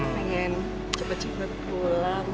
pengen cepet cepet pulang